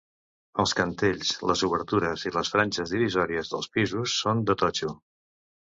Els cantells, les obertures i les franges divisòries dels pisos són de totxo.